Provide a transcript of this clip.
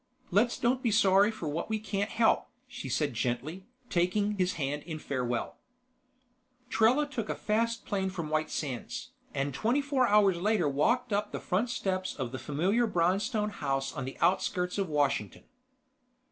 "Let's don't be sorry for what we can't help," she said gently, taking his hand in farewell. Trella took a fast plane from White Sands, and twenty four hours later walked up the front steps of the familiar brownstone house on the outskirts of Washington.